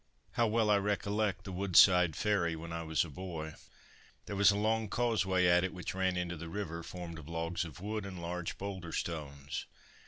How well I recollect the Woodside Ferry when I was a boy. There was a long causeway at it, which ran into the river, formed of logs of wood and large boulder stones.